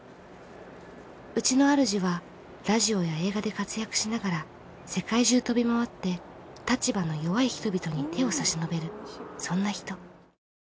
うちのあるじはラジオや映画で活躍しながら世界中飛び回って立場の弱い人々に手を差し伸べるそんな人。